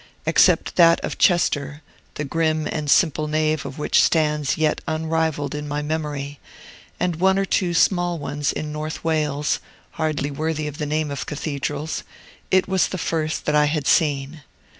Except that of Chester (the grim and simple nave of which stands yet unrivalled in my memory), and one or two small ones in North Wales, hardly worthy of the name of cathedrals, it was the first that I had seen.